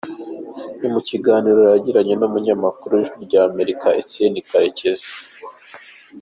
Ni mu kiganiro yagiranye n’umunyamakuru w’Ijwi ry’Amerika Etienne Karekezi.